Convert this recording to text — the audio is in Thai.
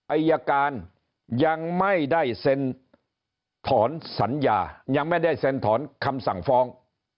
อายการยังไม่ได้เซ็นถอนสัญญายังไม่ได้เซ็นถอนคำสั่งฟ้อง